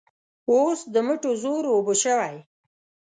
اوس د مټو زور اوبه شوی.